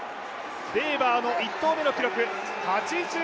ベーバーの１投目の記録